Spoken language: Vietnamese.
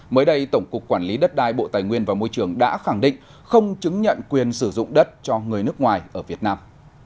mới đây tổng cục quản lý đất đai bộ tài nguyên và môi trường đã khẳng định không chứng nhận quyền sử dụng đất cho người nước ngoài ở việt nam